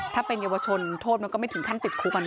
ถ้าเป็นเยาวชนโทษมันก็ไม่ถึงขั้นติดคุก